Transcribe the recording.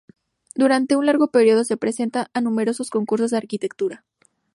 Durante un largo período se presenta a numerosos concursos de arquitectura.